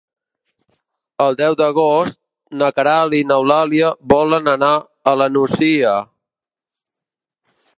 El deu d'agost na Queralt i n'Eulàlia volen anar a la Nucia.